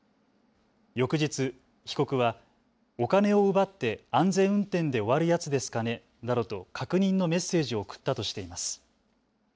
翌日、被告はお金を奪って安全運転で終わるやつですかねなどと確認のメッセージを送ったとしています。